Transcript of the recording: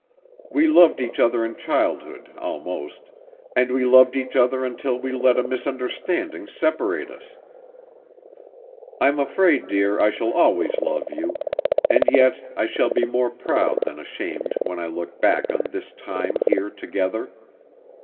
We loved each other in childhood, almost, and we loved each other until we let a misunderstanding separate us. I'm afraid, dear, I shall always love you, and yet I shall be more proud than ashamed when I look back on this time here together.